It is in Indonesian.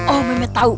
oh memet tau